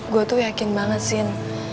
gue tuh yakin banget sih